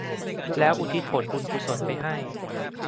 แล้วอุทิศผลบุญกุศลไปให้